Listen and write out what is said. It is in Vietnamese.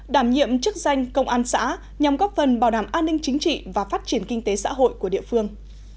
đảm nhiệm chức danh công an xã nhằm góp phần bảo đảm an ninh chính trị và phát triển kinh tế xã hội của địa phương